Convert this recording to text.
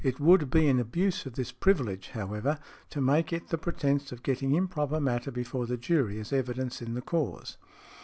It would be an abuse of this privilege, however, to make it the pretence of getting improper matter before the jury as evidence in the cause."